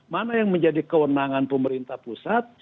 mana yang menjadi kewenangan pemerintah pusat